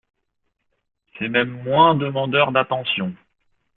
C’est même moins demandeur d’attentions.